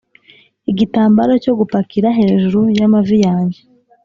igitambara cyo gupakira hejuru y'amavi yanjye,